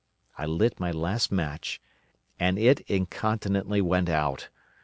I lit my last match … and it incontinently went out.